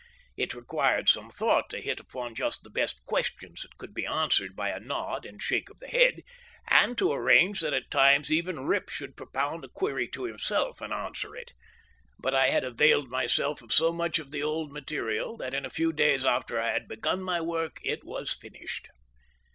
It required some thought to hit upon just the best questions that could be answered by a nod and shake of the head, and to arrange that at times even Rip should propound a query to himself and answer it; but I had availed myself of so much of the old material that in a few days after I had begun my work it was finished.